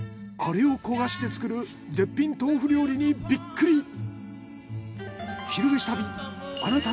アレを焦がして作る絶品豆腐料理にビックリ！